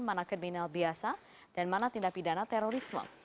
mana kriminal biasa dan mana tindak pidana terorisme